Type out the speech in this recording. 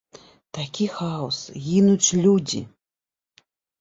Такі хаос, гінуць людзі.